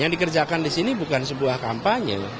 yang dikerjakan di sini bukan sebuah kampanye